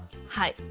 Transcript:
はい。